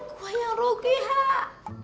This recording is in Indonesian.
gue yang rugi hak